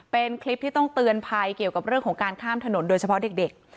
เป็นคลิปที่ต้องเตือนภัยเกี่ยวกับเรื่องของการข้ามถนนโดยเฉพาะเด็ก